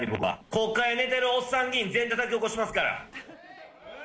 国会で寝てるおっさん議員、全員たたき起こしますから。